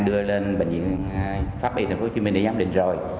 đưa lên bệnh viện pháp y tp hcm để giám định rồi